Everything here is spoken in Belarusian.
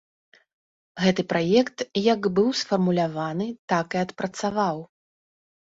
Гэты праект, як быў сфармуляваны, так і адпрацаваў.